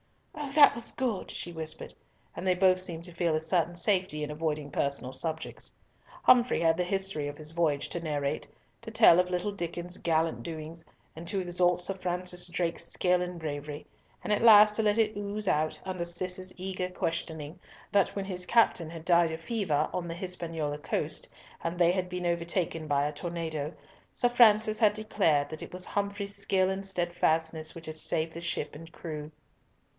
"Oh, that was good!" she whispered, and they both seemed to feel a certain safety in avoiding personal subjects. Humfrey had the history of his voyage to narrate—to tell of little Diccon's gallant doings, and to exalt Sir Francis Drake's skill and bravery, and at last to let it ooze out, under Cis's eager questioning, that when his captain had died of fever on the Hispaniola coast, and they had been overtaken by a tornado, Sir Francis had declared that it was Humfrey's skill and steadfastness which had saved the ship and crew.